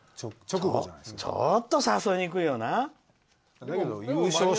ちょっと誘いにくいよな。